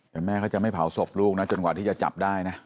แต่แม่เขาจะไม่เผาศพลูกนะจนกว่าที่จะจับได้นะ